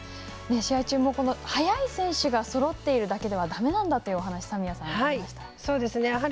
試合中も、速い選手がそろっているだけではだめなんだというお話三宮さん、していました。